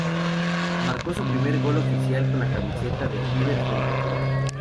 Marcó su primer gol oficial con la camiseta de River frente a Colón.